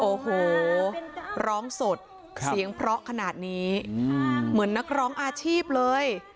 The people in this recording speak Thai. โอ้โหร้องสดเสียงเพราะขนาดนี้เหมือนนักร้องอาชีพเลย